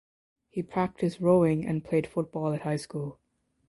He practiced rowing and played football at high school.